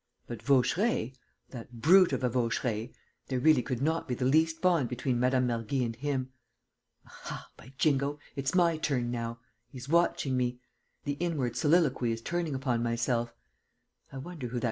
But Vaucheray, that brute of a Vaucheray, there really could not be the least bond between Mme. Mergy and him..... Aha, by Jingo, it's my turn now!... He's watching me.... The inward soliloquy is turning upon myself.... 'I wonder who that M.